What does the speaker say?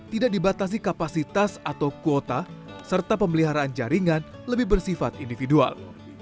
tidak dibatasi kapasitas atau kuota serta pemeliharaan jaringan lebih bersifat individual